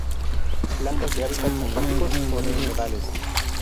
Plantas de hábitats acuáticos o de humedales.